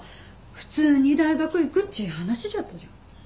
普通に大学行くっち話じゃったじゃん。